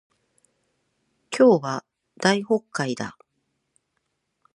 今日は大発会だ